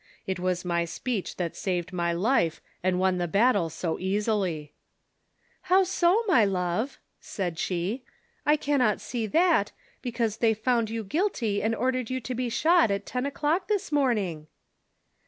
It was my speech that saved my life and won the battle so easily." " How so, my love V " said she. " I cannot see that, be cause they found you guilty and ordered you to be shot at ten o'clock this morning